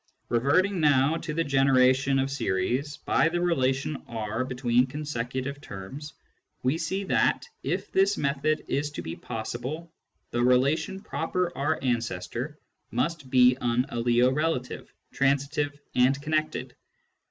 Reverting now to the generation of series by the relation R between consecutive terms, we see that, if this method is to be possible, the relation " proper R ancestor " must be an aliorela tion, transitive, and connected.